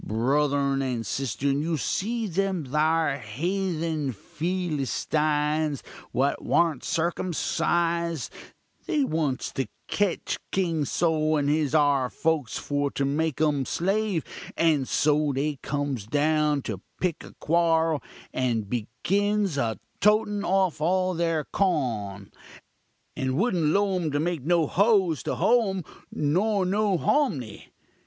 Bruthurn and sisturn, you see them thar hethun Fillystines, what warn't circumcised, they wants to ketch King Sol and his 'ar folks for to make um slave; and so, they cums down to pick a quorl, and begins a totin off all their cawn, and wouldn't 'low um to make no hoes to hoe um, nor no homnee.